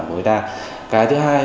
của người ta cái thứ hai